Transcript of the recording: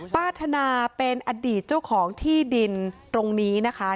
ธนาเป็นอดีตเจ้าของที่ดินตรงนี้นะคะ